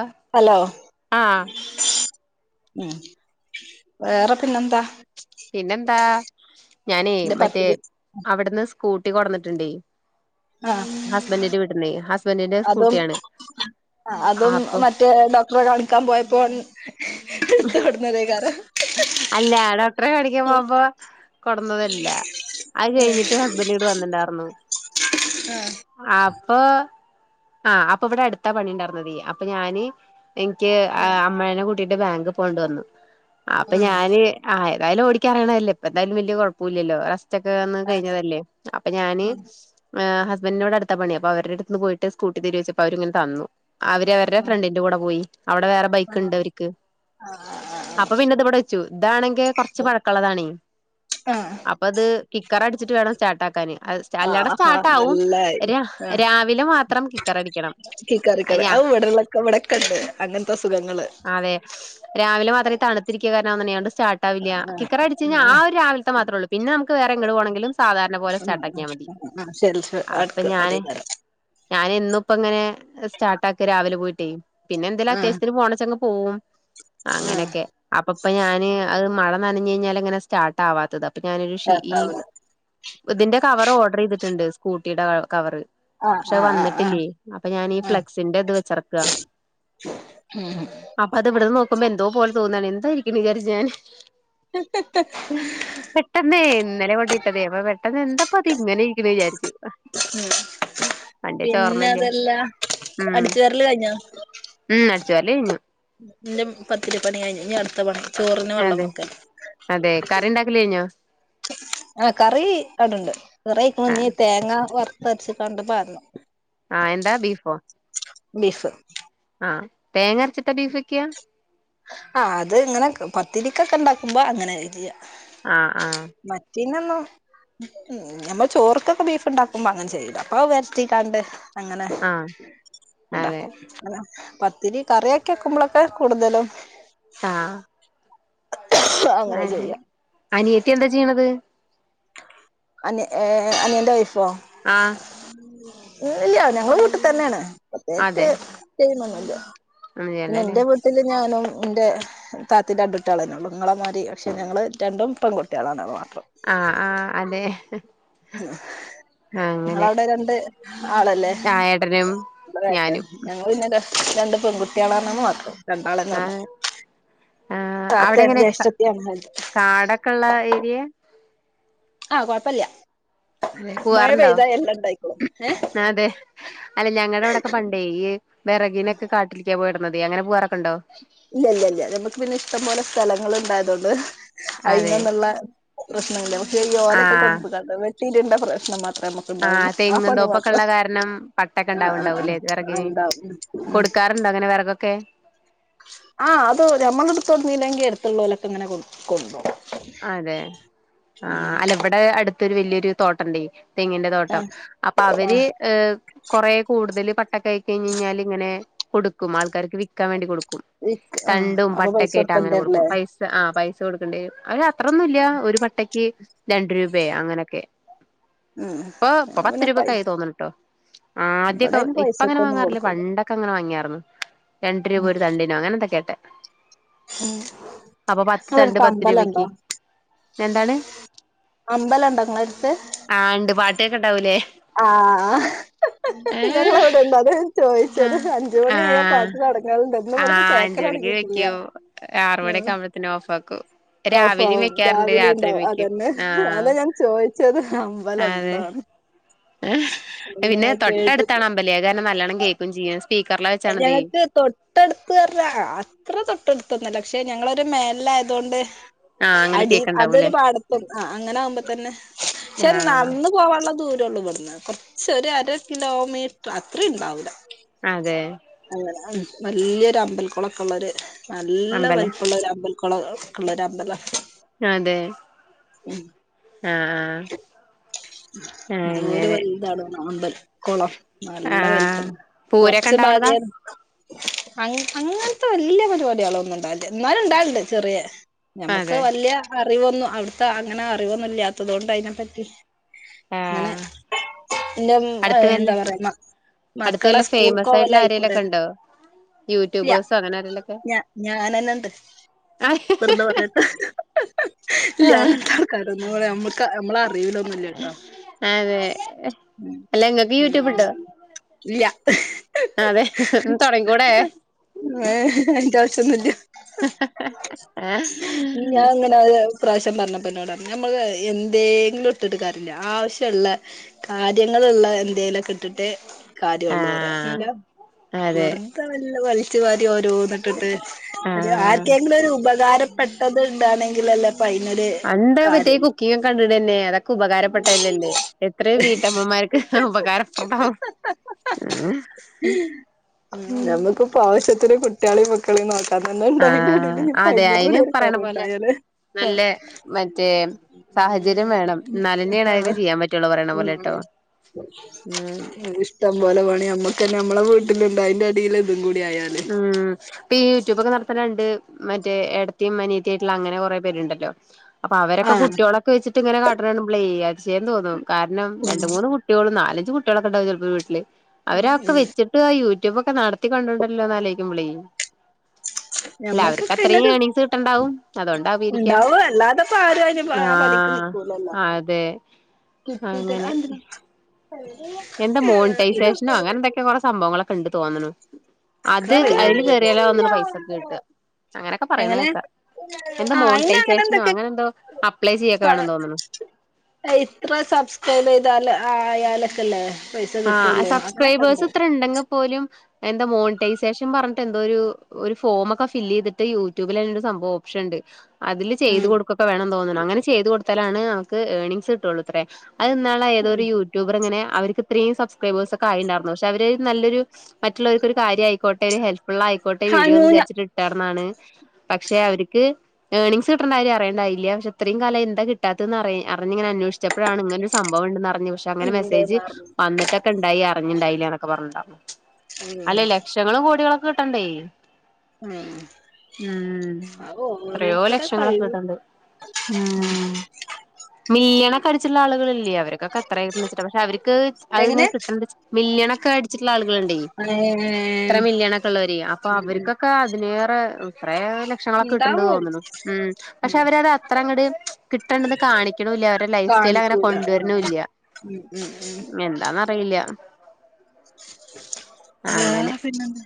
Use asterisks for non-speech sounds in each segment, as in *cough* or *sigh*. ആഹ hello ആഹ് ഉം വേറെ പിന്നെ എന്താ പിന്നെന്താ ഞാനേ എന്റെ മറ്റേ പത്തിരി അവിടുന്ന് സ്കൂട്ടി കൊടന്നിട്ടുണ്ട ആ ഹസ്ബൻഡിന്റെ വീട്ടന്റെ ഹസ്ബൻഡിന്റെ അതും സ്കൂട്ടിയാണ് ആഹ് അതും അപ്പൊ മറ്റേ ഡോക്ടറെ കാണിക്കാൻ പോയപ്പോ തോഓടന്നേ കാര അല്ല ഡോക്ടറെ കടിക്കാൻ പോകുമ്പ കൊടന്നതല്ല അത് കഴിഞ്ഞിട്ട് ഹസ്ബൻഡീട് വന്നിണ്ടായിർന്ന ആ അപ്പൊ ആ് അപ്പൊ ഇവിടെ അടുത്താ പണി ഉണ്ടായിർന്നത അപ്പൊ ഞാന് എനിക്ക് ആ അമ്മനെ കൂട്ടിയിട്ട് ബാങ്ക് പോകേണ്ട വന്നു അപ്പൊ ആ ഞാന് ആ എന്താല ഓടിക്കറിയണല്ല ഇപ്പപ്പോ എന്താല വലിയ കുഴപ്പമില്ലല്ലോ മച്ചക്കെ വന്ന് ആ കഴിഞ്ഞതല്ലേ അപ്പൊ ഞാന് ഹസ്ബറിോട്ടുത്ത പണി അപ്പോ അവടെ അടുന്ന് പോയിട്ട് സ്കൂട്ടി തിരിവച്ചപ്പോ അവരിങ്ങനെ തന്നു അവരുടെ ഫ്രണ്ടിന്റെ കൂടെ പോയി അവിടെ വേറെ ആ ബൈക്ക് ഇണ്ട് അവർക്ക് ആ അപ്പൊ പിന്നെ ഇത് ഇവിടെ വെച്ചു ഇതാണെങ്കിൽ കൊറച്ച് പഴക്കമുള്ളതാണ ആ അപ്പ അത് കിക്കർ അടിച്ചിട്ട് വേണം സ്റ്റാർട്ട ആാക്കാാന് ആ അല്ലാട ആഹാ സ്റ്റാർട്ട ആാവും നല്ലായി ര ആ രാവിലെ മാത്രം കിക്കർടിക്കണം കിക്കാറിക്കട ഞാ അത് ഇവിടെള്ളൊക്കെ ഇവിടെക്കെണ്ട് അങ്ങനത്തെ അസുഖങ്ങള് അതെ രാവിലെ മാത്രേ തണുത്തിരിക്കുക കാരണംന്നണ്ട് സ്റ്റാട്ട്ാവില്ല ആ കിക്കറ അടിച്ച് കഴിഞ്ഞൽ ആ ഒരു രാവിലത്തെ മാത്രേള്ളൂ പിന്ന നമുക്ക് വേറെങ്ങട് പോണെങ്കും സാധാരണ പോലെ സ്റ്റാട്ട് ആിയൽ മതി ആ ആ ശെ അപ്പൊ ഞാന് ഞാൻ ഇന്ന ഇപ്പ ഇങ്ങനെ സ്റ്റാർട്ട ആാക്കി രാവിലെ പോയിട്ടേ പിന്നെ എന്തേലും ആ അത്യാവശ്യത്തിന് പോണച്ചങ്ങ് പോവും ആ അങ്ങനെയൊക്കെ അപ്പപ്പൊ ഞാന് അത് മ അനഞ്ഞ കഴിഞ്ഞാ അങ്ങനെ സ്ാർട്ട് ആവാത്തത് ഇപ്പ ഞാനൊരു ഈ കേക്കാവൂല ഇതിന്റെ കവർ ഓർഡർ ചെയ്തിട്ടുണ്ട് സ്കൂട്ടിയുടെ കവറ് ആ പക്ഷെ ആ ആ ആ വന്നിട്ടില്ലേ അപ്പൊ ഞാൻീ ആ ഫ്ലെക്സിന്റെ ഇത് വെച്ചറക്ക ഉം അപ്പൊ അത് ഇവിടന്ന് നോക്കുമ്പോ എന്തോ പോലെ തോന്നാണ് എന്തായിരിക്കും വിചാരിച്ചു ഞാൻ പെട്ടെന്നേ ഇന്നലെ കൊണ്ട പെട്ട അപ്പൊ പെട്ടെന്ന് എന്തപ്പപ്പോ അത് ഇങ്ങനെ ഇരിക്കുന്നു വിചാരിു ഉം പിന്നെ ഓർമ്മല്ല അതല്ലാ ഉം അടിച്ചു കരൽ കഴിഞ്ഞാ ഉം അടിച്ചു വാരല് കഴിഞ്ഞു എന്റെ പത്തിരിപ്പണി കഞ്ഞു അടുത്ത വണം ചോറിന് അതെ വെള്ളംൊക്ക അതെ കറി ഉണ്ടാക്കല് കഴിഞ്ഞോ ആഹ കറി കടുണ്ട് കറ ആ മഞ്ഞി തേങ്ങ വറത്തച്ച് കണ്ട പറഞ്ഞു ആഹ എന്താ ബീഫോ ബീഫ് ആഹ തേങ്ങ അരച്ചിട്ട ബീഫ്ൊക്കെയാ ആ അത് ഇങ്ങനെ പത്തിരിക്കൊക്കെ ഉണ്ടാക്കുമ്പോ അങ്ങനെ ചെയ്യാ ആ ആ നമ്മള് ചോർക്കൊക്കെ ബീഫ് ഉണ്ടാക്കുമ്പോ അങ്ങനെ ചെയ്യല്. അപ്പൊ വരട്ടീക്കാണ്ട് അങ്ങനെ ആ അതെ ഉണ്ടാക്കും പത്തിരി കറിയൊക്കെ വെക്കുമ്പോളെക്കെ കൂടുതലും ആ അങ്ങനെ ചെയ്യാ *unintelligible* അനിയത്തി എന്താ ചെയ്യണത്? അനി എ ഏ അനിയന്റെ വൈഫോ? ആ ഒന്നുല്ല്യ ഞങ്ങള് വീട്ടിത്തന്നെയാണ് പ്രത്യേയിച്ച് അതെ ചെയ്യുന്നൊന്നുല്ല്യ. ഒന്നും പിന്നെ ചെയ്യണ്ടല്ലേ എന്റെ വീട്ടില് ഞാനും എൻ്റെ താത്തി രണ്ടുട്ട്യാളെന്നെയാള്ളൂ നിങ്ങളെമാതിരി പക്ഷേ ഞങ്ങൾ രണ്ടും പെൺകുട്ടികളാണവ ആഹ് ആഹ് അതെ. അങ്ങനെ നിങ്ങളവിടെ രണ്ട് ആളല്ലേ? ആ ഏട്ടനും ന്നേ ഏട്ടൻ ഞാനും ഞങ്ങൾ പിന്നെ രണ്ട് പെൺകുട്ടികളാണാന്ന് മാത്രം. രണ്ടാളെ ആ *unintelligible* ആ അവിടെ എങ്ങനെ തത്തയറിഞ്ഞയിഷ്ടത്തിഅന്നരിതും കാടൊക്കെ ഉള്ള ഏരിയ ആ കൊഴപ്പല്യാ. അതെ പൂവാറുണ്ടോ? ഏ അതെ അല്ലെ ഞങ്ങടെ അവിടൊക്കെ പണ്ടെ ഈ വേറഗിനെക്കെ കാട്ടിൽക്കാ പോയിടന്നതെ അങ്ങനെ പോവാറ ഇല്ല ഇല്ല ഇല്ല ഞമ്മക്ക് പിന്നെ ഇഷ്ടംപലെ സ്ഥലങ്ങൾ ഇണ്ടായതുകൊണ്ട്. അതെ അയിനൊന്നുള്ള പ്രശ്നയില്ല പക്ഷെ ഇ ഓലൊക്കെ ആഹ് കൊടുന്നുങ്ങാണ്ട് വെട്ടീടണ്ട പ്രശ്നം മാത്ര ആഹ് നമുക്കുണ്ടാവുള്ളൂ ആ തെങ്ങും പണി തോപ്പൊക്കെ മാത്ര ഉള്ള കാരണം പട്ടൊക്കെ ആ ആ ആ ഇണ്ടാവും മ് ഇട്ക്കാറുണ്ടോ അങ്ങനെ വെറകൊക്കെ? ആ അത് ഞമ്മള് എടുത്തോണ്ട്ന്നില്ലെങ്കില് അടുത്തുള്ളൊലൊക്കെ ഇങ്ങനെ കൊട് കൊണ്ടോകു അതെ ആ അല്ല ഇവിടെ അടുത്തൊരു വലിയൊരു തോട്ടണ്ടേ തെങ്ങിന്റെ തോട്ടം ആഹ് അപ്പൊ അവര് ആഹ് കെറെ കൂടുതൽ കഴപ്പി ഞ്ഞ്ഞ്ഞാൽ ഇങ്ങനെ കൊടുക്കും ആൾക്കാരിക്ക് വിൽക്കാൻവേണ്ടി കൊടുക്കും ആഹ് തണ്ടും അപ്പൊ പൈസ പട്ടക്കെയായിട്ട് അങ്ങനെ കൊടുക്കണ്ടല്ലേ കൊടുക്കും പൈസ ആ പൈസ കൊടുക്കണ്ടി വരും. അയിന് അത്രൊന്നുല്ല ഒരു പട്ടയ്ക്ക് രണ്ട് രൂപയേ അങ്ങനെക്കെ ഉം ഓ ഇപ്പം ഞങ്ങള് പിന്നെ പൈ പത്തുരൂപക്കായി തോന്ന്ണ് ട്ടോ ഇവിടെ ആദ്യക്കെ അയിന് ഇപ്പ അങ്ങനെ പൈസക്കൊന്നും വാങ്ങാറില്ല കൊടുക്കൂല പണ്ടൊക്കെങ്ങനെ വാങ്ങിയാർന്നു. രണ്ടു രൂപ ഒരു തണ്ടിനോ അങ്ങനെ എന്താ കേട്ടെ ഉം *unintelligible* രണ്ട് രൂപക്ക്, എന്താണ് അമ്പലണ്ടോ നിങ്ങളടുത്ത് ആണ്ട് പാട്ടെക്കെണ്ടാവൂലേ? ആഹ ഹ് ആഹ് നങ്ങവിടുണ്ടത് അതാ ഞാൻചോയിച്ചത് അഞ്ച്മണി ആയാ പാട്ട് തൊടങ്ങറുണ്ട് എന്നും ഇവടന്ന് കേക്കലി ഇവിടെവെയ്ക്കു ആറ് മണിക്കാവുമ്പോത്തിനും ഓഫാക്കും. ഓഫാകും രാവിലെ ഉണ്ടാവും അതന്നെ ആഹ് അതാ ഞാൻ ചോദിച്ചത് ഹം അതെ ഇമ്പലന്താണ് പിന്നെ കേട്ടിട്ട് തൊട്ടടുത്താണോ അമ്പല് ഏതാനും നല്ലോണം കേക്കോ ചെയ്യും. സ്പീക്കറിലാ വെച്ചാണതേ ഞങ്ങക്ക് തൊട്ടടുത്ത്ന്നറിഞ്ഞാ അത്ര തൊട്ടടുത്ത പക്ഷെ ഞങ്ങളൊരു മേൽ ആയത് കൊണ്ട് ആഹ് അങ്ങനെ അടി കേക്ക്ണ്ടാവൂല്ലേ അതൊരു പാടത്ത് ആ അങ്ങനെ ആകുമ്പോ തന്നെ *unintelligible* ആഹ് നട്ന്ന് പോവാനുള്ള ദൂരം *unintelligible* കൊറ്ച്ച് ഒര് അര കിലോമീറ്റർ അത്രയും ഉണ്ടാവൂല. അതെ അങ്ങനെ അ വലിയൊരു അമ്പൽക്കുളക്കെയുള്ളൊരു നല്ല അമ്പലം വലുപ്പമുള്ള അമ്പൽ കൊളക്കയുള്ള അമ്പല ആതെ *unintelligible* ആ *unintelligible* അമ്പൽക്കുളം നല്ല വത്സ ആഹ് പൂരൊക്കെ കൊറച്ച് ഇണ്ടാവണതാ ബാഗയ അ അങ്ങനത്തെ വല്ല്യ പരിപാടികളൊന്നും ഇണ്ടാല്ല ന്നാലും ഇണ്ടാണ്ട് ചെറിയെ ഞമ്മക്ക് അതെ വലിയ അറിവൊന്നും അവിടുത്തെ അങ്ങനെ അറിവൊന്നും ഇല്ലാത്തത് കൊണ്ട് അയ്നെ പറ്റി ങ്ങനെ ആഹ് ന്റെം ഏ അടുത്ത വല്ല എന്താ പറയാ മ അടുത്ത മക്കള വല്ല ഫേമസ് ആയിട്ടുള്ള ആരേലൊക്കെ സ്കൂൾക്കോവലയിക്കൂടേണ് ഉണ്ടോ ല്ല യൂട്യൂബേഴ്സോ അങ്ങനെ ആരേലൊക്കെ ഞ ഞാനന്നണ്ട് ആഹ് വെർതെ പർയാട്ട ഇല്ല അങ്ങനത്തെ ആൾക്കാരന്ന നമ്മക്ക് നമ്മള അറിവ്ലൊന്നുല്ലട്ടോ അതെ അല്ല ഇങ്ങക്ക് യൂട്യൂബ് ഉണ്ടോ ല്ല അതെ ഒന്ന് തൊടങ്ങിക്കൂടെ ഏ അയ്ന്റാവ്ശ്യൊന്നുല്ല *unintelligible* പ്രാവശ്യം പറഞ്ഞപ്പന്നോടർഞ്ഞ് നമ്മള് എന്തേങ്കിലും ഇട്ട്ട്ടാര്യല്ല ആവശ്യള്ള കാര്യങ്ങള് ള്ളെ എന്തെേലൊക്കെട്ടിട്ട് കാര്യള്ളൂവറി ആഹ് നല്ല അതെ വെറുത വല്ല വൽച് വാ രി ഓരോന്ന്ട്ടിട്ട് ആഹ് ആർക്കെങ്കിലൊരുപകാരപ്പെട്ടത് ണ്ടാണെങ്കിലല്ലെപ്പയ്നൊര് അണ്ട പറ്റേ കുക്കിങ്ങ ഒക്കെ കണ്ടിട തന്നെ അതൊക്കെ ഉപകാരപ്പെട്ടതന്നല്ലേ എത്ര വീട്ടമ്മമാർക്ക് ഉപകാരപ്പെടം നമ്മുക്കിപ്പോ ആവ്ശ്യ കുട്ടികളി പക്കളി നോക്കാൻ തന്നെ ഉണ്ടായി അൽ ആഹ് നീ പ അതെ കൂടി അയിന് പറയണ പോലെ ഒരുക്കാറുണ്ടായാല് നല്ല മറ്റേ സാഹചര്യം വേണം ന്നാലന്നെയാണ് അതൊക്കെ ആഹ് ചെയ്യാൻ പറ്റുള്ളു പറ ന പോലെട്ടോ ഉം ഇഷ്ടം പോലെ പണി നമ്മക്കന്നെ നമ്മളെ വീട്ടിലുണ്ട് അയ്ന്റെ അടീല് ഉം പീ ചുറ്റുപ്പൊക്കെ നടത്തണെണ്ട് മറ്റേ ഏട്ടത്തിം മനിയത്തിയായിട്ടുള്ള അങ്ങനെ കൊറെേ പേരുണ്ടല്ലോ അപ്പൊ അവരക്കെ ആഹ് കുട്ടികളൊക്കെച്ചിട്ട്ങ്ങനെ കാടണ കാണുമ്പളേ അത് ചെയ്യൻ തോന്നും കാരണം ഉം രണ്ട് മൂന്ന് കുട്ടികളും നാലഞ്ചു കുട്ടികളൊക്കെണ്ടാവും ചിലപ്പോൾ വീട്ടില് അവരൊക്കെ ഉം വെച്ചിട്ട് ആ യു റ്റൂബൊക്കെ നടത്തിക്കണ്ടുണ്ടല്ലോ ന്നാലോയ്ക്കുമ്പളെ അല്ല അവർക്ക് അത്രയും ഏണീസ് കിട്ട്ണ്ടാവും ഉണ്ടാവ അല്ലാതെപ്പ ആരും ആ പണിക്ക് ആഹ് നിക്കൂലല്ലോ അതെ അങ്ങനെ *unintelligible* എന്താ മോണിറ്റൈസേഷനോ അങ്ങനെ എന്തൊക്കെ കൊറ സംഭവങ്ങളൊക്കെ ഇണ്ട് തോന്നുണു അത് ഇക്കറീല അയ്ല് അയിനെപ്പറ്റി കേറിയാലോന്ന്ണ് പൈസൊക്കെ കിട്ട അങ്ങനെയൊക്കെ പറയണ എങ്ങനെ കേക്കാ എന്ത ആഹ് അയിന് മോണിറ്റൈസേഷനോ എന്തൊക്കെ അങ്ങനെ എന്തോ അപ്ലൈ ചെയ്യൊക്കെ വേണം തോന്ന്ണ് അഇത്ര സബ്സ്ക്രൈബയ്താല് ആയാലൊക്കല്ലേ ആ സബ്സ്ക്രൈബേഴ്സ് ത്രണ്ടെങ്ക് പോലും എന്താ മോണിറ്റൈസേഷൻ പറഞ്ഞട്ട് എന്തോ ഒരു ഒരു ഫോമ ഒക്കെ ഫില് ചെയ്തിട്ട് യൂട്യൂബിൽരു സംഭവം ഓപ്ഷൻ ഉണ്ട് അതില് ചെയ്ത് ഉം കൊടുക്കൊക്കെ വേണംന്ന് തോന്നുന്നു അങ്ങനെ ചെയ്ത് കൊടുത്താലാണ് നമക്ക് ഏണിങ്സ് കിട്ടള്ളൂത്രേ അത് ന്നാള് ഉം ഏതോരു യൂട്യൂബർങ്ങനെ അവർക്ക് ത്രീ സബ്ക്രൈബേഴ്സ് ഒക്കെ ആട്ടണ്ടായിരുന്നു പക്ഷെ അവര് നല്ലൊരു മറ്റുള്ളോരുക്കൊരു കാര്യയിക്കോട്ടെ ഒരു ഹെ ള്ള ആയിക്കോട്ടെ വീഡ്യോന്ന് വിചാര്ച്ചിട്ട്ട്ടാർന്നാണ് പക്ഷെ അവർക്ക് ഏർണിങ്സ് കിട്ടേണ്ട കാര്യം അറിയേണ്ടായില്ല പക്ഷെ അത്രയും കല എന്താ കിട്ടാത്ത അറിയ പറഞ്ഞിങ്ങനെ അന്വേഷിച്ചപ്പോഴാണ്ങ്ങന ഒരു സംമ്പവണ്ടെന്ന് പറഞ്ഞു പക്ഷെ അങ്ങന മെസ്സേജ് ഉണ്ട്ന്ന് പറഞ്ഞു ന്നട്ടൊക്കെണ്ടായി അറ്ഞ്ഞ്ണ്ടായിലന്നൊക്കെ പർഞ്ട്ട് അല്ല ഉം ലക്ഷങ്ങളു കോടികളൊക്കെ കിട്ടണ്ടേ ഉം ഉം അ എത്രയോ ഓരോരുത്തടെ ലക്ഷങ്ങളൊക്കെ കഴിവു കിട്ടണ്ട് മീയന കടിച്ചുള്ള ആളുകളല്ലേ അവൊക്കൊക്കെ അത്ര കിട്ട വെിട്ട പക്ഷ അവർക്ക് എങ്ങനെ അത്ങ്ങനെ കിട്ട മല്െ ടിച്ചിട്ടുള്ള ആളുകുണ്ട ഇത്ര ഏഹ് മില്യൺ ഒക്കെ ഉള്ളവര് അപ്പൊ ഉം അവർക്കൊക്കെ അതിനേറെ ഇത്രേ ലക്ഷങ്ങളൊക്കെ കിട്ടിണ്ട് ഉണ്ടാവും തോന്നു ഉം പക്ഷെ ഉം അവരത് അത്ര കൂടി കിട്ടണ്ടെന്ന് കാണിക്കണില്ല അവരുടെ ലൈഫ് സ്റ്റൈൽ അങ്ങനെ കാണിക്കൂല ആഹ് ആഹ് കൊണ്ടുവരണില്ല ഉം ഉം ഉം എന്താന്ന അറിയില്ല അങ്ങനെ വേറെ പിന്നെല്ല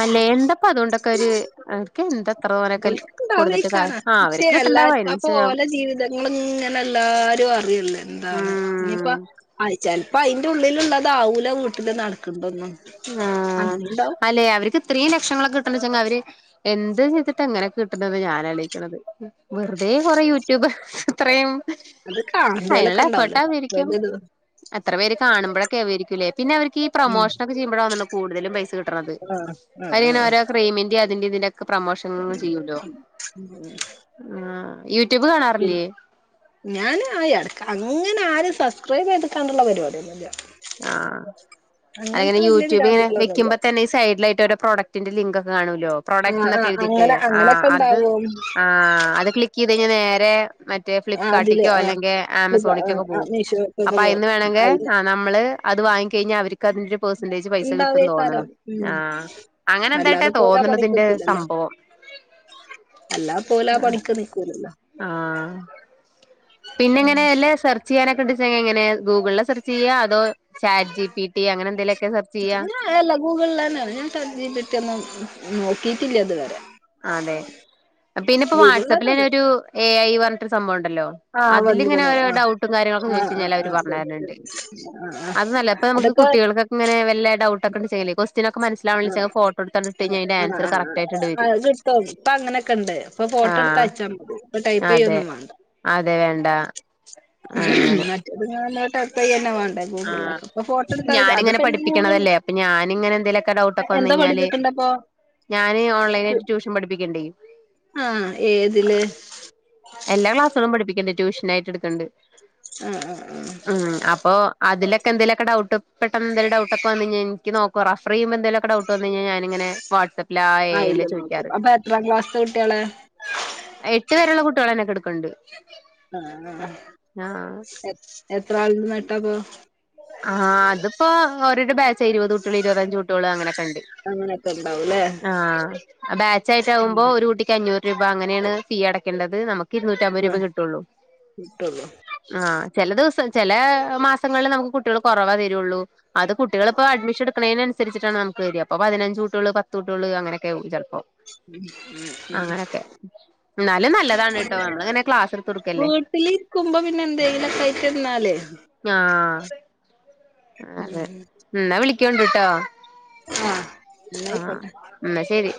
അല്ലെ എന്താപ്പ അതുകൊണ്ടൊക്കെ ഒരു അവർക്ക് എന്താ ഇത്ര തോനൊക്കെ ിക്കണ്ട കൊടുത്തിട്ട് കാ അവിക്കണ ആ അവർക്ക് കിട്ടണ്ടാവും എല്ലാർക്കും അപ്പ അതിനനുസരിച്ചാവും ഓലെ ജീവിതങ്ങളും ഇങ്ങനെ എല്ലാരും അറിയില്ല എന്താണ് ഇനിയിപ്പ ഉം ആ ചെിലപ്പോ അതിന്റെ ഉള്ളിലുള്ളത് ആവൂല വീട്ടില് നടക്കണ്ടോന്നും ആ അല്ലെ അവർക്ക് ഇത്രയും ലക്ഷങ്ങളൊക്കെ കിട്ടണം അവര് എന്ത് ചെയ്തിട്ട് എങ്ങനെ കിട്ടണെന്ന് ഞാൻളയിക്കണത് വെറുതെ കുറെേ യൂട്യൂബ് അത്രയും അത് കാണുന്നോലൊക്കെ അതിനതിനുള്ള എഫോർട്ട ആരിക്കും ഉണ്ടാവല്ലോ എത്ര പേര് കാണുമ്പോഴക്ക ഒരിക്കല്ലേന്നെ അവർക്ക്ഈ ഉം പ്രൊോഷന ഒക്കെ്യുമോഴോ കൂടുല പൈസ കിും ആഹ് ആഹ് അരിങ്ങനെ ആഹ് ഓരോ ക്രെയിമിറ അതിന്റെ ഇതിന്റെ ഒക്കെ പ്രൊമോഷൻ ചെയ്യല്ലോ ആഹ പി ഞൻ ആയി അടക്ക അങ്ങനെ ആര സബ്സ്ക്രൈബ്തിാനുള്ള പരിപടിയന്നുമല്ലേ ആഹ അല്ലങ്ങനെ വലിയ യൂട്യൂബ് ഇങ്ങെ പിരാന്തുക്കളൊന്നുമില്ല വെക്കുമ്പോ തന്നേ ഈ സൈഡിലായിട്ട് ഒരു പ്രോഡകിന്റെ ലിങ്ക് ഒക്കെ കാണലോ ആ പ്രോഡക്ട് ആ അങ്ങനെ അങ്ങനൊക്കെ ഉണ്ടാവും ആത് ക്ക്ക് ചെയത് ക നേ മറ്റ ആ അതില് ഫ്ലിപ്കാർട്ടിക്കോ ആ അല്ലെങ്കിൽ ഇപ്പൊ, ആ, ആമസോണിക്കൊക്കെ ആ, പോകും മീഷോക്കൊക്കെ അപ്പൊ പോകും അയിന്ന് അതില് വേണമെങ്കിൽ നമ്മള് അത് വാങ്ങിക്കി കഴിഞ്ഞ അവർക്ക് അതിന്റെ പെർസെന്റേജ് പൈസ കിട്ടുംന്ന് തോന്നണം ഉണ്ടാവേക്കാരം ഉം ആ അങ്ങനെ എന്തായിട്ടാ തോന്നണതിന്റെ സംഭവം അല്ലാ പോല ആ പണിക്ക് നിക്കൂലല്ലോ ആ പിന്നെ എങ്ങനെയ അല്ലേ സെർച്ച് ചെയ്യാനൊക്കെ ഉണ്ട ഇങ്ങനെ ഗൂഗിളെ സെർച്ച് ചെയ്യ അതോ ചാറ്റ് ജി പി ടി അങ്ങനെ എന്തെലുമൊക്കെ സെർച്ച് ചെയ്യാ ലഘൂകന്ന ഞാട്ട പറ്റന്ന നോക്കിയിട്ടില്ല അത്വരെ അതെ പിന്ന ഇപ്പോൊ ഗൂഗിളിൽ വാട്സആപ്പിൽ തന്നെ അത് ഒരു എ ഐ പറഞ്ഞിട്ട് സംഭവംുണ്ട് ോ ആ അതില ഇങ്ങനെോ വന്നുകുണു ആ ഡട്ടും കാര്യങ്ങളൊക്കെ ചോ ആ ആ കഞ്ഞാൽ അവര് ആ അത് പറഞ്ഞണ്ട് ആ ആ അത് നമക്ക് അതൊക്കെ കുട്ടികൾക്കെങ്ങന വല്ല ഡൗട്ട ഒക്കെ ചെയ്യേ കൊസ് ന മനസ്സിലാവണിൽ ചില ആ ഫോട്ടോ എടുകണ്ടിഴ അതിന്റെ ആഹ് ആൻസർ കറക്റ്റ് ആയിട്ട് ആഹ് അത് ഇപ്പ അങ്ങനെയൊക്കെ ഉണ്ട് ഇപ്പൊ ഫോട്ടോ എടുത്ത് ആഹ് അയച്ചാ മതി ഇപ്പൊ ടൈപ്പ് അതെ ചെയ്യൊന്നും വേണ്ട അതെ വേണ്ട മറ്റതുങ്ങ ആ ഫോട്ടോ എടുത്ത് അയച്ച് ഞാനിങ്ങനെ അതിപ്പോ എല്ലാം ഗൂഗിൾ പഠിപ്പിക്കണതല്ലേ അപ്പൊ ഞാനിങ്ങനെ എന്തെലുമൊക്കെ ഡൗട്ടെ ഇ വന്ന എന്താ കഴിഞ്ഞാല് പഠിപ്പിക്കണ്ടപ്പൊ ഞാന് ഓൺലൈന ആയിട്ട് ട്യൂഷൻ പഠിപ്പിക്കണ്ട് ആഹ് ഏതില് എല്ലാ ക്ലാസ്സുകളും പഠിപ്പിക്കണ്ട് ട്യൂഷന ആയിട്ട് എടുക്കണ്ട് ഉ ഉ ഉ അതിലക്കെന്തലൊക്കെ ഡൗട്ട് എന്തേലും ഡൗട്ടക്കെ വന്നഴിഞ്ഞാൽ എക്ക് നോക്ക റഫർ ചെയുമ്പോന്തലൊക്കെ ഡൗട്ട് വന്ന കഴിഞ്ഞ അങ്ങെ വാട്സ്ആപ്പ് ല്ല അയില് നോക്കും ചോദിക്കാറ് അപ്പൊ എത്രാം ക്ലാസ്ത്തെ കുട്ടികളെ എട്ടു പേരുള്ള കുട്ടികൾന്നെക്കെടു കണ്ട് ആ എത്ര ആള നട്ടാപ്പോ ആഹ് അതിപ്പോ ഓരോ ബാ ഇരുപത് കൂട്ടിയള് ഇരുപത അഞ്ച് കൂട്ടികള് അങ്ങനെൊക്കെ അങ്ങനെക്ക ആഹ ബാച്ച് ആയിട്ട ആകുമ്പോ ഒരു കുട്ടിക്ക് അഞ്ഞൂറ് രൂപ അങ്ങനെയാണ് ഫീ അടക്കേണ്ടത് നമുക്ക് ഇരുന്നൂറ്റമ്പത് രൂപ കിട്ടുള്ളൂ ഉം ആഹ ചില ദിവസം ചില മാസങ്ങളിൽ നമുക്ക് കുട്ട കുട്ടികൾ കുറവേ തരുള്ളൂ അത് കുട്ടികൾ ഇപ്പോ അഡ്മിഷൻ എടുക്കണേനുസരിച്ചിട്ടാണ് നമുക്ക് തരാ പതിനഞ്ച് കുട്ടികള് പത്തു ള് അങ്ങനെയൊക്കെ ചിലപ്പോൾ അങ്ങനൊക്കെ എന്നാലും നല്ലതാണട്ടോ നമ്മള് ഇങ്ങനെ ക്ലാസ് എടുത്ത് കൊടുക്കല്ലേ ഇലീക്കുമ്പ പിന്നെ എന്തേലേ കാ ചെന്നാലെ ആഹ ആ ഉം എന്നാ വിളിക്കണ്ടിട്ടോ ആഹ എല്ലായി പട്ട എന്നാ ശരി